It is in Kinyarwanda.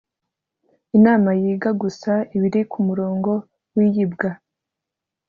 inama yiga gusa ibiri ku murongo w'ibyigwa